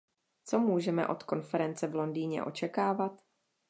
Co můžeme od konference v Londýně očekávat?